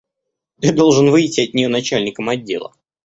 Ты должен выйти от нее начальником отдела.